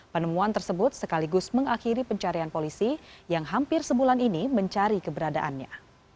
penemuan tersebut sekaligus mengakhiri pencarian polisi yang hampir sebulan ini mencari keberadaannya